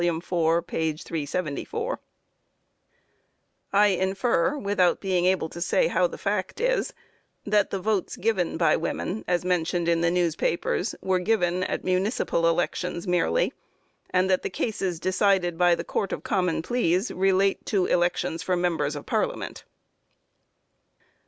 _ I infer, without being able to say how the fact is, that the votes given by women, as mentioned in the newspapers, were given at municipal elections merely, and that the cases decided by the Court of Common Pleas relate to elections for members of Parliament.